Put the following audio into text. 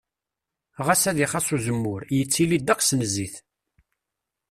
Ɣas ad ixas uzemmur, yettili ddeqs n zzit.